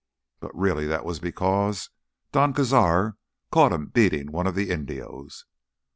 But really that was because Don Cazar caught him beating one of the Indios.